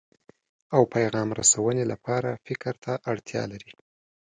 او پیغام رسونې لپاره فکر ته اړتیا لري.